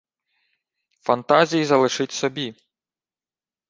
Фантазії залишіть собі